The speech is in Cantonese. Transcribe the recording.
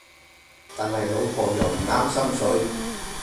但係老婆又唔啱心水